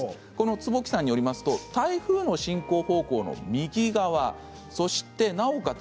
坪木さんによると台風の進行方向の右側なおかつ